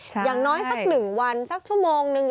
อย่างน้อยสักหนึ่งวันสักชั่วโมงนึง